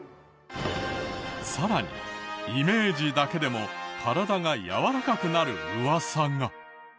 さらにイメージだけでも体が柔らかくなるウワサが。